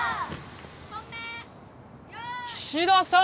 菱田さん！